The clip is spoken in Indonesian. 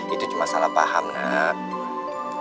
itu cuma salah paham nak